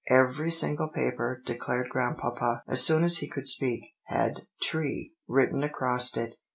'Every single paper,' declared Grandpapa, as soon as he could speak, 'had "Tree" written across it.